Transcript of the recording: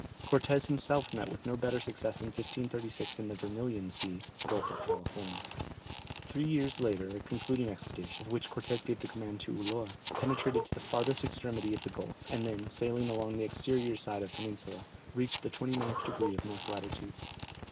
Cortès himself met with no better success in 1536 in the Vermilion Sea (Gulf of California). Three years later a concluding expedition, of which Cortès gave the command to Ulloa, penetrated to the farthest extremity of the gulf, and then, sailing along the exterior side of the peninsula, reached the 29 degrees of north latitude.